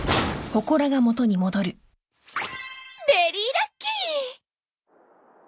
ベリーラッキー！